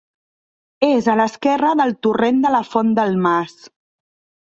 És a l'esquerra del torrent de la Font del Mas.